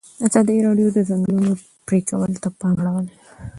ازادي راډیو د د ځنګلونو پرېکول ته پام اړولی.